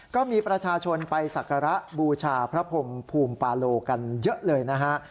ก็มีประชาชนไปสักการะบูชาพระพรมภูมิปาโลกันเยอะเลยนะฮะ